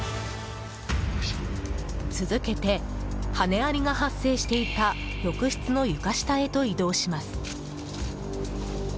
続けて、羽アリが発生していた浴室の床下へと移動します。